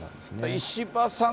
石破さん